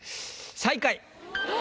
最下位。